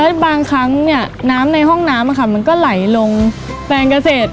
แล้วบางครั้งเนี่ยน้ำในห้องน้ำมันก็ไหลลงแปลงเกษตร